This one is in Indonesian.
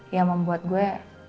ya membuat gue